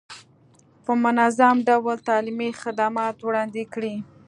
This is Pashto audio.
په منظم ډول تعلیمي خدمات وړاندې کړي.